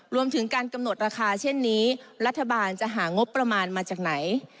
รวมถึงการกำหนดราคาเช่นนี้รัฐบาลจะหางบประมาณมาจากไหน